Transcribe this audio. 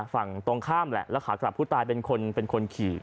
ฝั่งตรงข้ามแหละราขากลับผู้ตายเป็นคนขี่